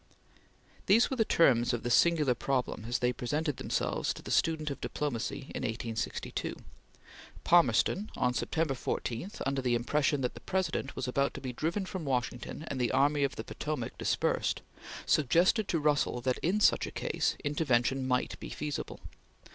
These were the terms of this singular problem as they presented themselves to the student of diplomacy in 1862: Palmerston, on September 14, under the impression that the President was about to be driven from Washington and the Army of the Potomac dispersed, suggested to Russell that in such a case, intervention might be feasible.